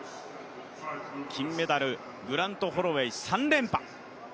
金メダル、グラント・ホロウェイ３連覇。